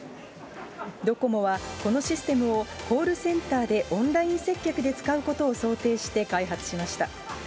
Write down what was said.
ドコモはこのシステムを、コールセンターでオンライン接客で使うことを想定して開発しました。